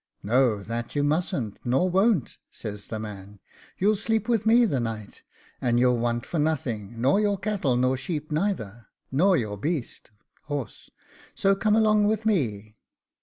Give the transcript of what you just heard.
"No, that you mustn't nor won't (says the man), you'll sleep with me the night, and you'll want for nothing, nor your cattle nor sheep neither, nor your BEAST (HORSE); so come along with me."